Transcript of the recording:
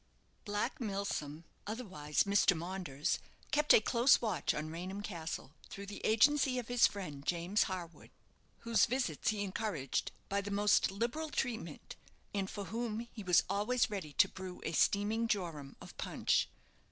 Black Milsom, otherwise Mr. Maunders, kept a close watch on Raynham Castle, through the agency of his friend, James Harwood, whose visits he encouraged by the most liberal treatment, and for whom he was always ready to brew a steaming jorum of punch.